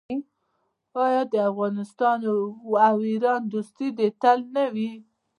آیا د افغانستان او ایران دوستي دې تل نه وي؟